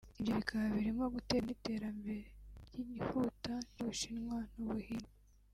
ibyo bikaba birimo guterwa n’iterambere ryihuta ry’ubushinwa n’u Buhinde